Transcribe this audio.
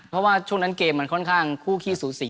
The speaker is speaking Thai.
เพราะว่าช่วงนั้นเกมมันค่อนข้างคู่ขี้สูสี